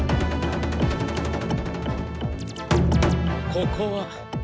ここは。